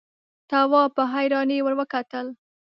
تواب په حيرانۍ ور وکتل.